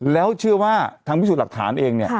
แล้วเชื่อว่าทางพิสูจน์หลักฐานเองเนี่ย